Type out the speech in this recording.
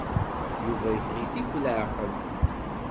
Yuba iffeɣ-it akk leɛqel.